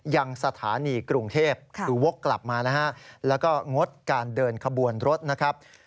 ยังสถานีกรุงเทพคือวกกลับมานะฮะแล้วก็งดการเดินขบวนรถนะครับ